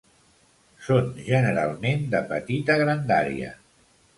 Són generalment de petita grandària.